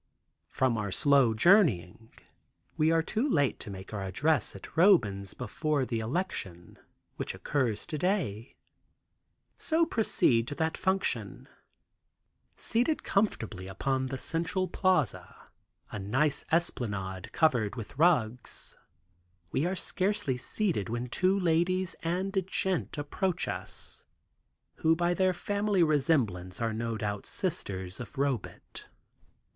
From our slow journeying, we are too late to make our address at Roban's, before the election, which occurs to day. So proceed to that function. Seated comfortably upon the Central Plaza, a nice esplanade covered with rugs, we are scarcely seated when two ladies and a gent approach us, who by their family resemblance are no doubt sisters of Robet.